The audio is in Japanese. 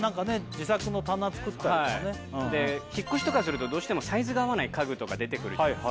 自作の棚作ったりとかねで引っ越しとかするとどうしてもサイズが合わない家具とか出てくるじゃないですか